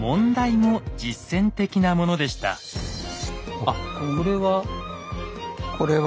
あっこれは。